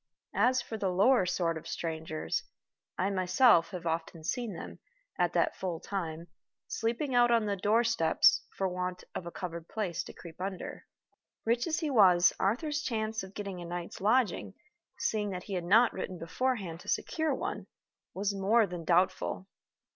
As for the lower sort of strangers, I myself have often seen them, at that full time, sleeping out on the doorsteps for want of a covered place to creep under. Rich as he was, Arthur's chance of getting a night's lodging (seeing that he had not written beforehand to secure one) was more than doubtful.